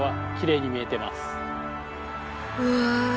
うわ！